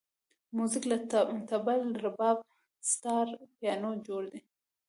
موزیک له طبل، رباب، ستار، پیانو جوړېږي.